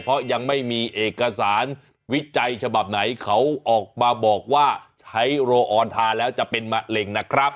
เพราะยังไม่มีเอกสารวิจัยฉบับไหนเขาออกมาบอกว่าใช้โรอออนทาแล้วจะเป็นมะเร็งนะครับ